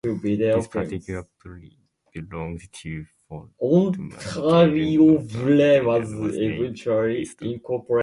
This particular Puli belonged to frontman Gavin Rossdale and was named Winston.